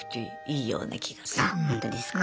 あほんとですか。